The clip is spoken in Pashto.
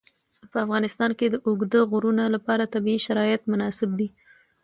په افغانستان کې د اوږده غرونه لپاره طبیعي شرایط مناسب دي.